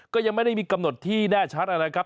ก็ยังไม่ได้มีกำหนดที่แน่ชัดนะครับ